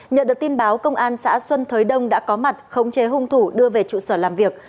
nhận được tin báo công an xã xuân thới đông đã có mặt khống chế hung thủ đưa về trụ sở làm việc